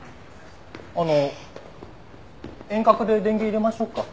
あの遠隔で電源入れましょうか？